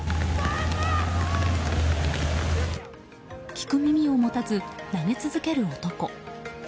聞く耳を持たず投げ続ける男。